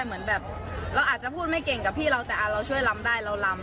เหมือนแบบเราอาจจะพูดไม่เก่งกับพี่เราแต่เราช่วยลำได้เราลำ